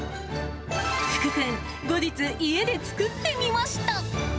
福君、後日、家で作ってみました。